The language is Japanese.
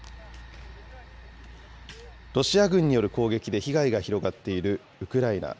ロシア軍による攻撃で被害が広がっているウクライナ。